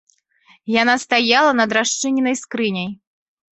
Яна стаяла над расчыненай скрыняй.